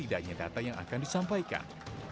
tidaknya data yang akan disampaikan